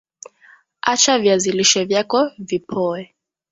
Acha viazi lishe vyako vipoe